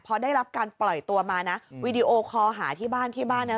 พอได้รับการปล่อยตัวมานะวีดีโอคอลหาที่บ้านที่บ้านนะ